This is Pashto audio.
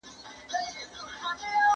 زه پرون سندري واورېدلې،